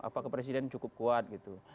apakah presiden cukup kuat gitu